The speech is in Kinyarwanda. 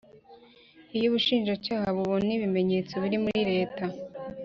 Iyo Ubushinjacyaha bubona ibimenyetso biri muri leta